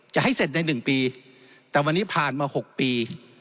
จะให้เสร็จใน๑ปีแต่วันนี้ผ่านมา๖ปี